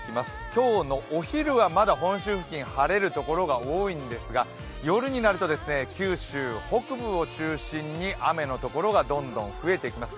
今日のお昼はまだ本州付近、晴れるところが多いんですが、夜になると九州・北部を中心に雨のところがどんどん増えてきます。